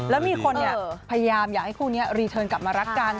แล้วมีคนพยายามอยากให้คู่นี้รีเทิร์นกลับมารักกัน